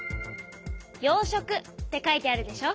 「養殖」って書いてあるでしょ。